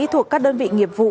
thuộc các đơn vị nghiệp vụ